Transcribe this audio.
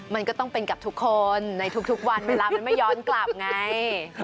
มันก็ต้องเป็นกับทุกคนในทุกวันเวลามันไม่ย้อนกลับไง